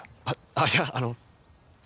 あっいやあの。